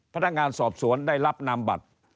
พนักงานสอบสวนได้รับนามบัตร